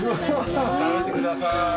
食べてください。